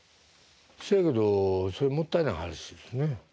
そやけどそれもったいない話ですね。